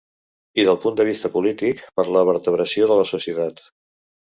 I del punt de vista polític, per la vertebració de la societat.